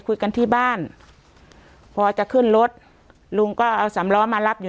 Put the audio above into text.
คุยกันที่บ้านพอจะขึ้นรถลุงก็เอาสำล้อมารับอยู่